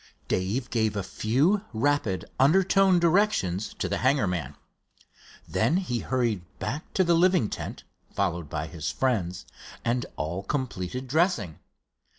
Dave gave a few rapid, undertoned directions to the hangar man. Then he hurried back to the living tent, followed by his friends, and all completed dressing.